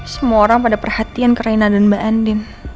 semua orang pada perhatian ke reina dan mba andin